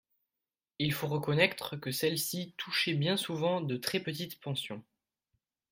Il faut reconnaître que celles-ci touchaient bien souvent de très petites pensions.